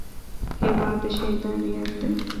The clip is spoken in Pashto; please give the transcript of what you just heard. هېواد د شهیدانو یاد دی.